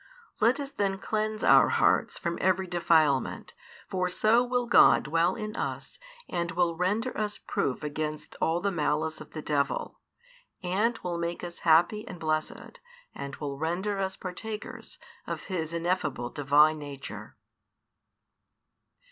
Let us then cleanse our hearts from every defilement, for so will God dwell in us and will render us proof against all the malice of the devil, and will make us happy and blessed, and will render us partakers of His ineffable Divine nature.